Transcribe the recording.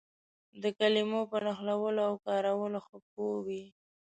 د کلمو په نښلولو او کارولو ښه پوه وي.